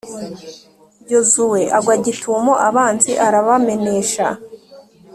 Yozuwe agwa gitumo abanzi, arabamenesha,